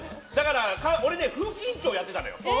俺は風紀委員長やってたのよ。